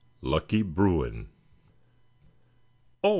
LUCKY BRUIN. "Oh!